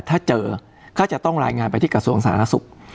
ถ้าเจอก็จะต้องรายงานไปที่กระทรวงสาธารณสุข